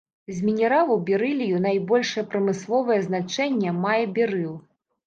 З мінералаў берылію найбольшае прамысловае значэнне мае берыл.